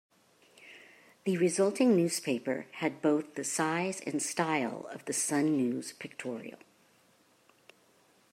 The resulting newspaper had both the size and style of "The Sun News-Pictorial".